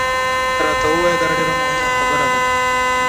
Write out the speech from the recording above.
راته ووایه، دا ډېره مهمه خبره ده.